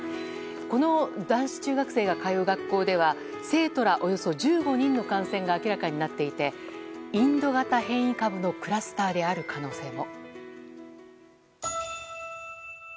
この男子中学生が通う学校では生徒ら、およそ１５人の感染が明らかになっていてインド型変異クラスターの可能性も。